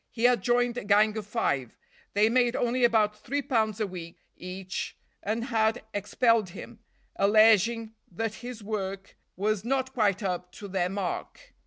He had joined a gang of five; they made only about three pounds a week each, and had expelled him, alleging that his work was not quite up to their mark.